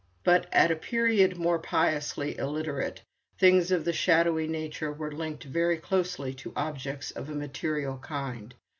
But at a period more piously illiterate, things of this shadowy nature were linked very closely to objects of a material kind.